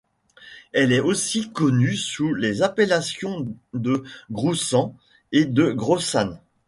Elle est aussi connue sous les appellations de groussan et de grossanne.